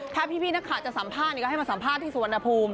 ถ้าพี่นักข่าวจะสัมภาษณ์ก็ให้มาสัมภาษณ์ที่สุวรรณภูมิ